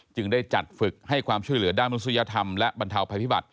ได้จัดฝึกให้ความช่วยเหลือด้านมนุษยธรรมและบรรเทาภัยพิบัติ